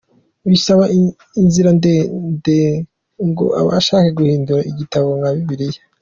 Bisaba inzira ndende ngo ubashe guhindura igitabo nka Bibiliya.